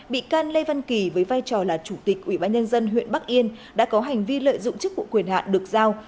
bị can lê văn kỳ với vai trò là chủ tịch ủy ban nhân dân huyện bắc yên đã có hành vi lợi dụng chức vụ quyền hạn được giao